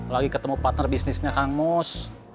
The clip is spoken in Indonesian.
lagi ketemu partner bisnisnya kang mus